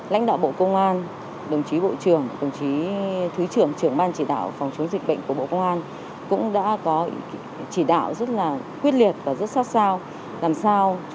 lãnh đạo bộ công an đồng chí bộ trưởng đồng chí thứ trưởng trưởng ban chỉ đạo phòng chống dịch bệnh của bộ công an cũng đã có chỉ đạo rất là quyết liệt và rất sát sao làm sao